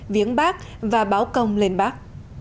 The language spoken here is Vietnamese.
viếng bác và báo công lên bác